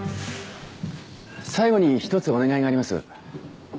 最後に１つお願いがあります。